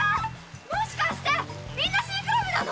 もしかしてみんなシンクロ部なの！？